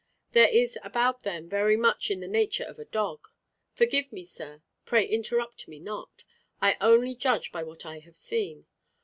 There is about them very much of the nature of a dog. Forgive me, sir; pray interrupt me not. I only judge by what I have seen.